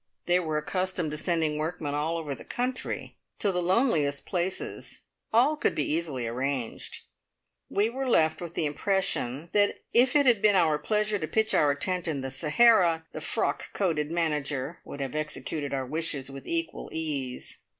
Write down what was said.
They were accustomed to sending workmen all over the country. To the loneliest places. All could be easily arranged. We were left with the impression that if it had been our pleasure to pitch our tent in the Sahara, the frock coated manager would have executed our wishes with equal ease.